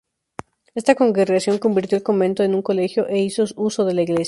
Esta congregación convirtió el convento en un colegio e hizo uso de la iglesia.